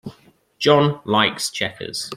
John likes checkers.